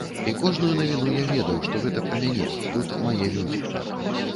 І кожную навіну я ведаў, што гэта пра мяне, тут мае людзі.